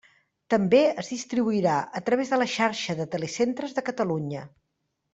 També es distribuirà a través de la Xarxa de Telecentres de Catalunya.